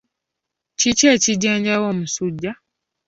Kiki ekijjanjaba omusujja?